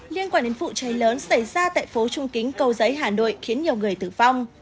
liên quan đến vụ cháy lớn xảy ra tại phố trung kính cầu giấy hà nội khiến nhiều người tử vong